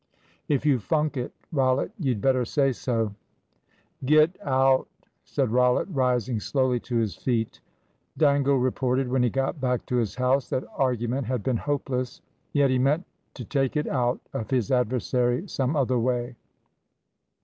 "If you funk it, Rollitt, you'd better say so." "Get out," said Rollitt, rising slowly to his feet. Dangle reported, when he got back to his house, that argument had been hopeless. Yet he meant to take it out of his adversary some other way.